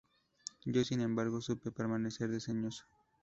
yo, sin embargo, supe permanecer desdeñoso.